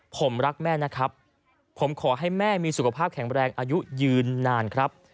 ผมรักแม่นะครับผมขอให้แม่มีสุขภาพแข็งแรงอายุยืนนานครับ